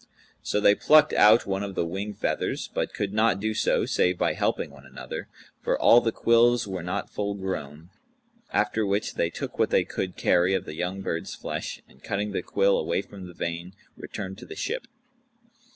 So they plucked out one of the wing feathers, but could not do so, save by helping one another, for all the quills were not full grown, after which they took what they could carry of the young bird's flesh and cutting the quill away from the vane, returned to the ship.